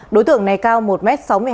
đối tượng này cao một m sáu mươi hai